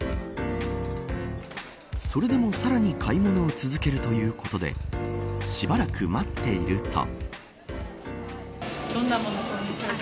それでも、さらに買い物を続けるということでしばらく待っていると。